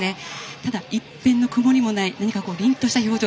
ただ、いっぺんの曇りもない凛とした表情。